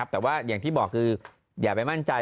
แต่ว่าอย่างที่บอกคืออย่าไปมั่นใจ